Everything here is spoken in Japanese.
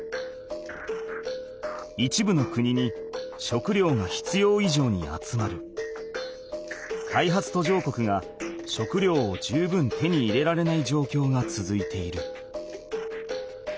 一部の国に食料が必要いじょうに集まり開発途上国が食料を十分手に入れられないじょうきょうがつづいている。